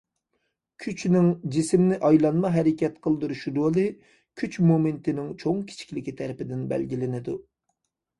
كۈچنىڭ جىسىمنى ئايلانما ھەرىكەت قىلدۇرۇش رولى كۈچ مومېنتىنىڭ چوڭ-كىچىكلىكى تەرىپىدىن بەلگىلىنىدۇ.